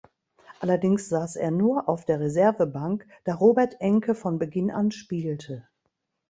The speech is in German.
Allerdings saß er nur auf der Reservebank, da Robert Enke von Beginn an spielte.